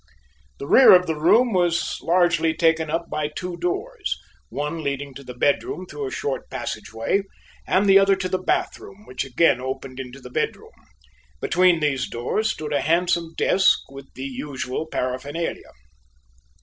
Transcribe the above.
The rear of the room was largely taken up by two doors one leading to the bedroom through a short passageway, and the other to the bathroom, which again opened into the bedroom. Between these doors stood a handsome desk with the usual paraphernalia.